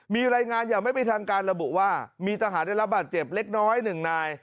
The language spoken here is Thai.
มีรายงานอย่างไม่เป็นทางการระบุว่ามีทหารได้รับบาดเจ็บเล็กน้อยหนึ่งนาย